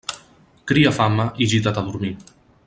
Cria fama i gita't a dormir.